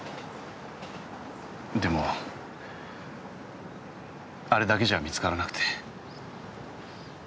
でもあれだけじゃ見つからなくて。